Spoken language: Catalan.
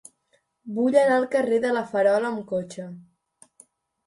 Vull anar al carrer de La Farola amb cotxe.